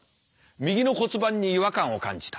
右の骨盤に違和感を感じた。